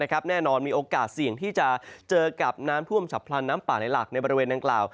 แน่นอนมีโอกาสเสี่ยงที่จะเจอกับน้ำท่วมฉับพลันน้ำป่าในหลักในบริเวณดังกล่าว